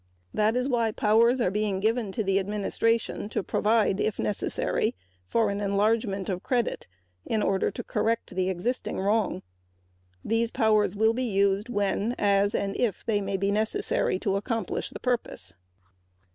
That is why powers are being given to the administration to provide, if necessary, for an enlargement of credit, in order to correct the existing wrong. These powers will be used when, as, and if it may be necessary to accomplish the purpose.